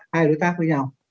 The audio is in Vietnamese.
hai đối tác với nhau